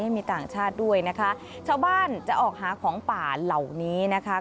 มีต่างชาติด้วยนะคะชาวบ้านจะออกหาของป่าเหล่านี้นะคะ